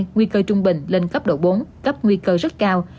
nguy cơ trung bình lên cấp độ bốn cấp nguy cơ rất cao